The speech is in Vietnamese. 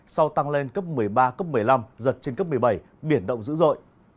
sau tăng lên cấp một mươi ba cấp một mươi năm giật trên cấp một mươi bảy biển động dữ dội